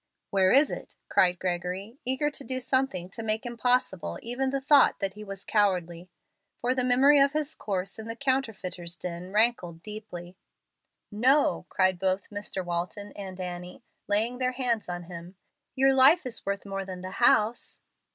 "Where is it?" cried Gregory, eager to do something to make impossible even the thought that he was cowardly; for the memory of his course in the counterfeiter's den rankled deeply. "No," cried both Mr. Walton and Annie, laying their hands on him. "Your life is worth more than the house."